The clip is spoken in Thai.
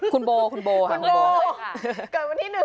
คุณโบคุณโบค่ะคุณโบ